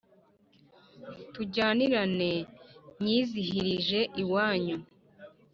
Tujyanirane nyizihirije iwanyu